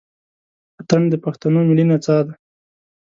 اتڼ د پښتنو ملي نڅا ده.